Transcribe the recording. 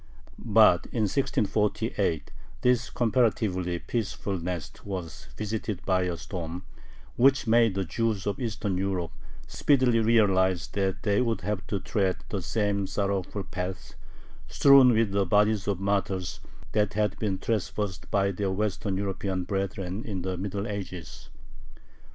But in 1648 this comparatively peaceful nest was visited by a storm, which made the Jews of Eastern Europe speedily realize that they would have to tread the same sorrowful path, strewn with the bodies of martyrs, that had been traversed by their Western European brethren in the Middle Ages.